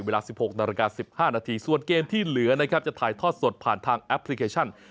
เวลา๑๖นาฬิกา๑๕นาทีส่วนเกมที่เหลือนะครับจะถ่ายทอดสดผ่านทางแอปพลิเคชัน